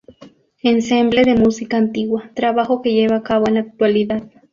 Ensemble de música antigua", trabajo que lleva a cabo en la actualidad.